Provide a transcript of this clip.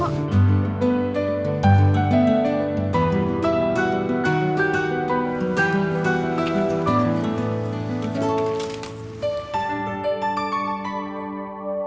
aku mau ke rumah